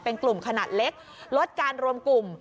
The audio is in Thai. เป็นกลุ่มขนาดเล็กลดการรวมกลุ่ม